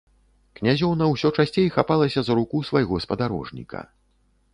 Князёўна ўсё часцей хапалася за руку свайго спадарожніка.